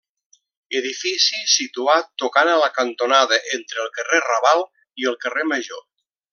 Edifici situat tocant a la cantonada entre el carrer Raval i el carrer Major.